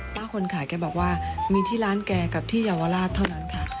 คนขายแกบอกว่ามีที่ร้านแกกับที่เยาวราชเท่านั้นค่ะ